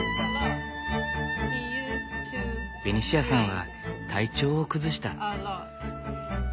ベニシアさんは体調を崩した。